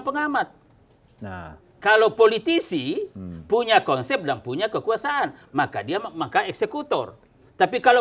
pengamat nah kalau politisi punya konsep dan punya kekuasaan maka dia maka eksekutor tapi kalau